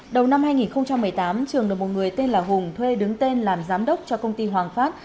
đầu năm hai nghìn một mươi tám trường được một người tên là hùng thuê đứng tên làm giám đốc cho công ty hoàng phát